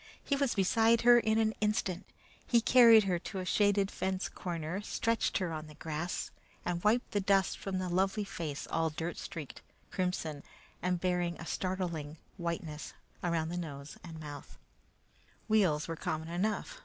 He was beside her in an instant. He carried her to a shaded fence corner, stretched her on the grass, and wiped the dust from the lovely face all dirt streaked, crimson, and bearing a startling whiteness around the mouth and nose. Wheels were common enough.